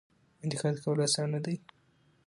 انتقاد کول اسانه دي.